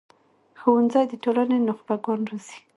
ښوونځی د ټولنې نخبه ګان روزي